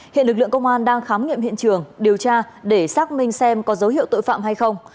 hiện lực lượng công an đang khám nghiệm hiện trường điều tra để xác minh xem có dấu hiệu tội phạm hay không